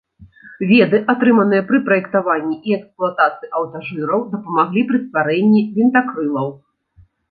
Веды, атрыманыя пры праектаванні і эксплуатацыі аўтажыраў, дапамаглі пры стварэнні вінтакрылаў.